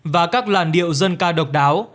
và các làn điệu dân ca độc đáo